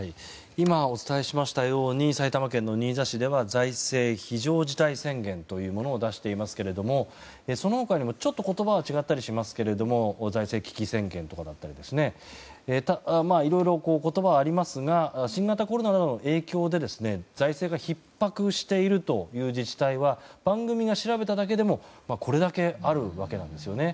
今お伝えしましたように埼玉県の新座市では財政非常事態宣言というものを出していますけれどもその他にもちょっと言葉は違ったりしますが財政危機宣言だったりとかいろいろ言葉がありますが新型コロナなどの影響で財政がひっ迫しているという自治体は番組が調べただけでもこれだけあるわけなんですね。